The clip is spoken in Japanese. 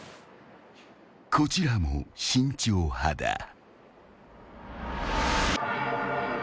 ［こちらも慎重派だ］